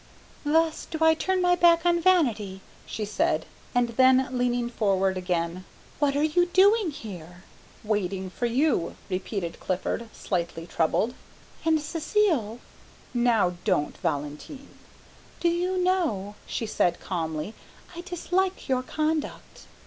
"Thus do I turn my back on vanity," she said, and then leaning forward again, "What are you doing here?" "Waiting for you," repeated Clifford, slightly troubled. "And Cécile." "Now don't, Valentine " "Do you know," she said calmly, "I dislike your conduct?"